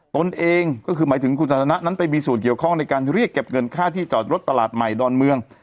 ตนเองก็คือหมายถึงคุณสันทนะนั้นไปมีส่วนเกี่ยวข้องในการเรียกเก็บเงินค่าที่จอดรถตลาดใหม่ดอนเมือง